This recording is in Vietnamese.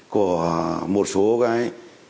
của một số cái